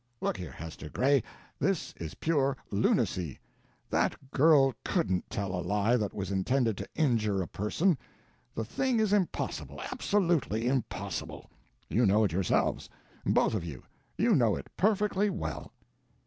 Look here, Hester Gray, this is pure lunacy; that girl couldn't tell a lie that was intended to injure a person. The thing is impossible absolutely impossible. You know it yourselves both of you; you know it perfectly well."